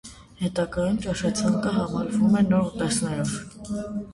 Հետագայում ճաշացանկը համալրվում է նոր ուտեստներով։